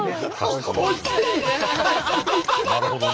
なるほどね。